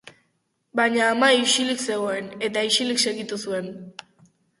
Baina ama isilik zegoen, eta isilik segitu zuen.